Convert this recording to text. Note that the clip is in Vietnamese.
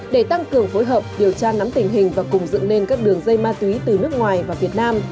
để tăng cường phối hợp điều tra nắm tình hình và cùng dựng lên các đường dây ma túy từ nước ngoài vào việt nam